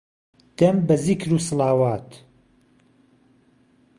دەم به زیکر وسڵاوات